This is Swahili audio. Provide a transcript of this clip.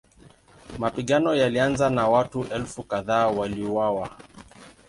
Mapigano yalianza na watu elfu kadhaa waliuawa.